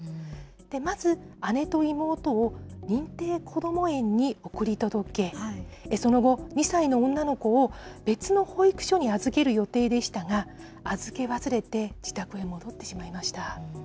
まず姉と妹を認定こども園に送り届け、その後、２歳の女の子を別の保育所に預ける予定でしたが、預け忘れて、自宅へ戻ってしまいました。